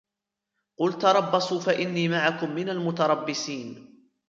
قل تربصوا فإني معكم من المتربصين